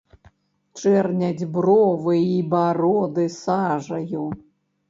Чэрняць бровы й бароды сажаю.